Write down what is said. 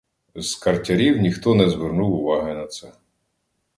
З картярів ніхто не звернув уваги на це.